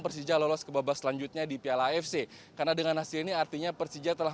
persija lolos ke babak selanjutnya di piala afc karena dengan hasil ini artinya persija telah